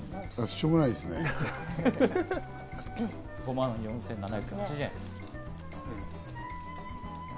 ５万４７８０円。